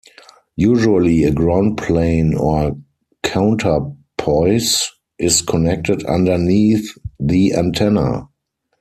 Usually a ground plane or counterpoise is connected underneath the antenna.